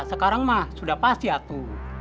sekarang mah sudah pasti aku